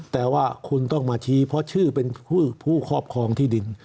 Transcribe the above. แต่ว่าคุณต้องมาชี้เพราะชื่อเป็นผู้ครอบครองที่ดิน